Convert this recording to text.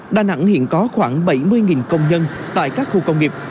đà nẵng hiện có khoảng bảy mươi công nhân tại các khu công nghiệp